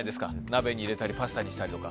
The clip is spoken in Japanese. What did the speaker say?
鍋に入れたりパスタにしたりとか。